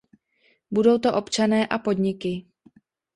Budou to občané a podniky.